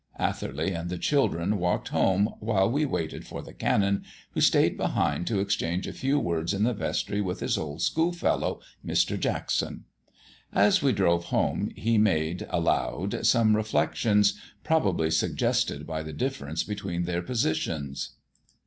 Atherley and the children walked home while we waited for the Canon, who stayed behind to exchange a few words in the vestry with his old schoolfellow, Mr. Jackson. As we drove home he made, aloud, some reflections, probably suggested by the difference between their positions.